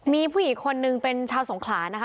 มีผู้หญิงคนนึงเป็นชาวสงขลานะคะ